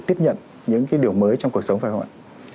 tiếp nhận những cái điều mới trong cuộc sống phải không ạ